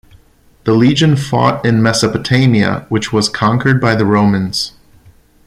The legion fought in Mesopotamia, which was conquered by the Romans.